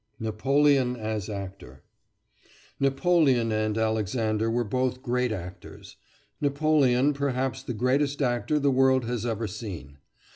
NAPOLEON AS ACTOR Napoleon and Alexander were both great actors Napoleon perhaps the greatest actor the world has ever seen.